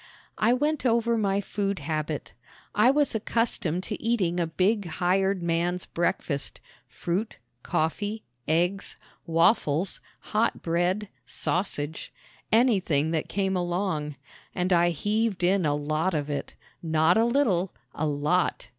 I went over my food habit. I was accustomed to eating a big hired man's breakfast fruit, coffee, eggs, waffles, hot bread, sausage, anything that came along; and I heaved in a lot of it not a little a lot!